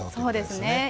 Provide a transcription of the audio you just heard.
そうですね。